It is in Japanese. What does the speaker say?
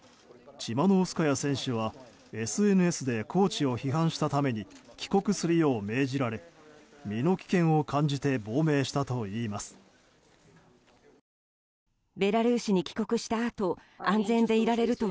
チマノウスカヤ選手はＳＮＳでコーチを批判したために帰国するよう命じられ身の危険を感じて亡命したといいます。